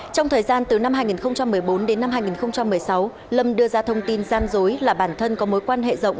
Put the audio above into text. trong thời gian từ năm hai nghìn một mươi bốn đến năm hai nghìn một mươi sáu lâm đưa ra thông tin gian dối là bản thân có mối quan hệ rộng